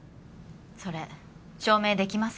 それ証明出来ますか？